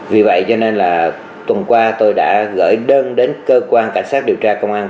vì vậy cho nên là tuần qua tôi đã gửi đơn đến cơ quan cảnh sát điều tra công an